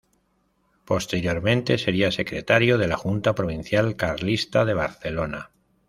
Posteriormente sería secretario de la Junta Provincial Carlista de Barcelona.